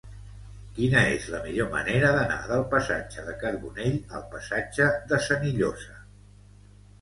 Quina és la millor manera d'anar del passatge de Carbonell al passatge de Senillosa?